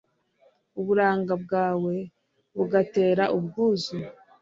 uburanga bwawe bugatera ubwuzu